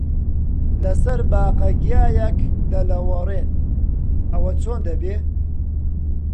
لەسەر باقە گیایەک دەلەوەڕێن، ئەوە چۆن دەبێ؟